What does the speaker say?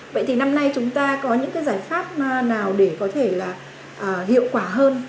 vậy thì năm nay chúng ta có những cái giải pháp nào để có thể là hiệu quả hơn